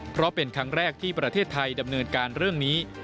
เพราะเป็นครั้งแรกที่ประเทศไทยดำเนินการเรื่องนี้